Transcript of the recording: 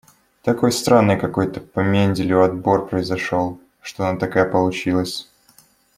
Такой странный какой-то по Менделю отбор произошёл, что она такая получилась.